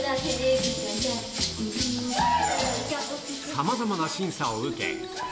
さまざまな審査を受け。